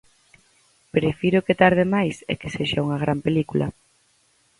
Prefiro que tarde máis e que sexa unha gran película.